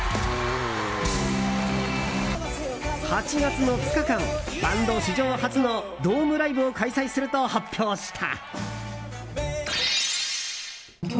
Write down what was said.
８月の２日間バンド史上初のドームライブを開催すると発表した。